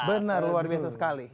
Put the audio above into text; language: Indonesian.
benar luar biasa sekali